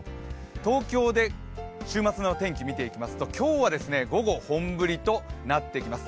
東京で週末の天気見ていきますと今日は午後、本降りとなってきます。